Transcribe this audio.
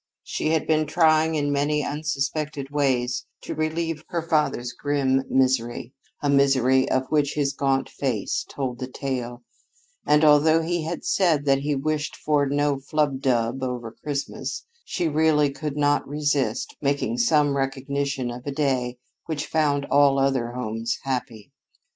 She had been trying in many unsuspected ways to relieve her father's grim misery, a misery of which his gaunt face told the tale, and although he had said that he wished for "no flubdub about Christmas," she really could not resist making some recognition of a day which found all other homes happy.